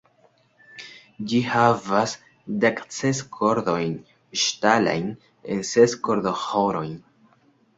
Ĝi havas dekses kordojn ŝtalajn en ses kordoĥoroj.